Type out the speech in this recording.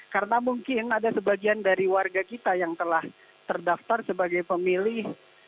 karena mungkin ada sebagian dari warga kita yang telah terdaftar sebagai pemilih